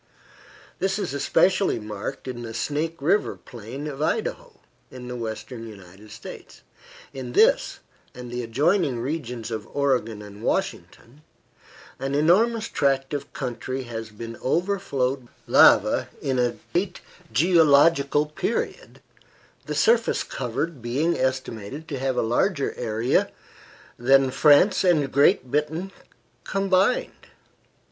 This is especially marked in the Snake River plain of Idaho, in the western United States. In this, and the adjoining regions of Oregon and Washington, an enormous tract of country has been overflowed by lava in a late geological period, the surface covered being estimated to have a larger area than France and Great Britain combined.